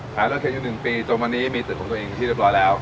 รถเข็นอยู่๑ปีจนวันนี้มีตึกของตัวเองเป็นที่เรียบร้อยแล้ว